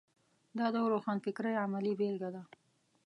دا د روښانفکرۍ عملي بېلګه ده.